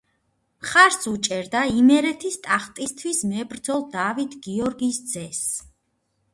მხარს უჭერდა იმერეთის ტახტისთვის მებრძოლ დავით გიორგის ძეს.